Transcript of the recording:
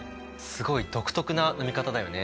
すごい独特な飲み方だよね。